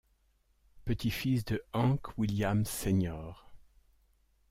Petit-fils de Hank Williams, Sr.